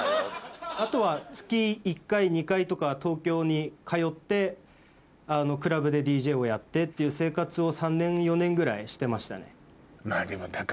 あとは月１回２回とか東京に通ってクラブでＤＪをやってっていう生活を３年４年ぐらいしてましたね。